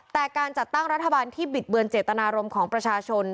แต่การจัดตั้งรัฐบาลที่บิดเบือนเจตนารมณ์ของประชาชน